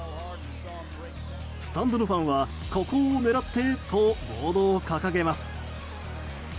スタンドのファンはここを狙ってとボードを掲げます。